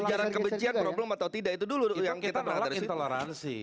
ujaran kebencian problem atau tidak itu dulu yang kita dalam intoleransi